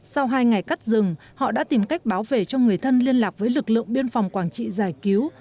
sau hai ngày cắt rừng họ đã tìm cách bảo vệ cho người thân liên lạc với lực lượng biên phòng quảng trị giải cứu